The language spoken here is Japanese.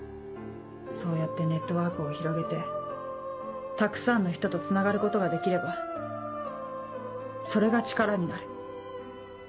そうやってネットワークを広げてたくさんの人とつながることができればそれが力になる。